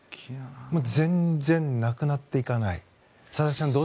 全然なくなっていかない。